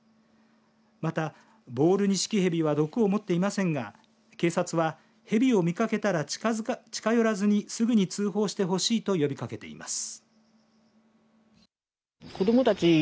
また、ボールニシキヘビは毒を持っていませんが警察は、蛇を見かけたら近寄らずにすぐに通報してほしいと呼びかけています。